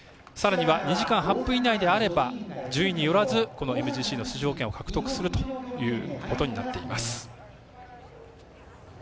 さらには２時間８分以内であれば順位によらずこのＭＧＣの出場権を獲得するということになっています。